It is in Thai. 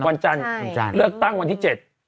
หลังนั้นก็เลือกตั้งวันที่๗